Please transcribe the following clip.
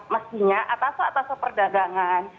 mestinya atas atas perdagangan